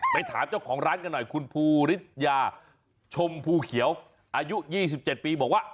ถามเจ้าของร้านกันหน่อยคุณภูริสยาชมภูเขียวอายุ๒๗ปีบอกว่า